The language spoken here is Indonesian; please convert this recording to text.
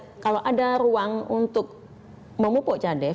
kita akan melihat kalau ada ruang untuk memupuk cadang dev